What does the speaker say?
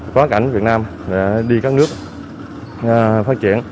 có cảnh việt nam đi các nước phát triển